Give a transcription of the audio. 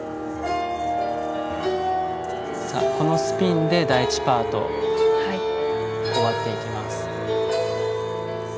スピンで第１パート終わっていきます。